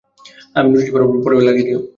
আমি নোটিশ পরার, পরে লাগিয়ে দিও।